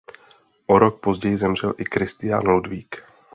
O rok později zemřel i Kristián Ludvík.